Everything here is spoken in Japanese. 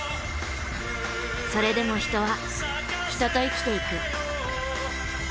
それでも人は人と生きていく。